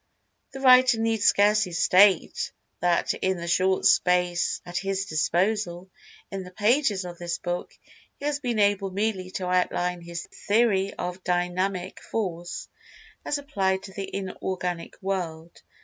[Pg 193] The writer need scarcely state that in the short space at his disposal, in the pages of this book, he has been able merely to outline his Theory of Dynamic Force, as applied to the Inorganic World.